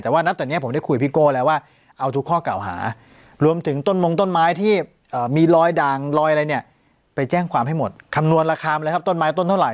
แต่ว่านับตอนนี้ผมได้คุยพี่โก้แล้วว่าเอาทุกข้อเก่าหารวมถึงต้นมงต้นไม้ที่มีรอยด่างรอยอะไรเนี่ยไปแจ้งความให้หมดคำนวณราคามาเลยครับต้นไม้ต้นเท่าไห